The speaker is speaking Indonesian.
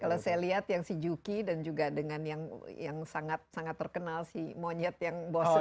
kalau saya lihat yang si juki dan juga dengan yang sangat sangat terkenal si monyet yang bos ini